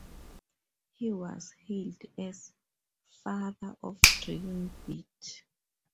He was hailed as "Father of Drilling Bit".